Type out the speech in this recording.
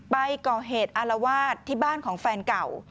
ไปก่อเหตุอารวาสที่บ้านของแฟนเก่า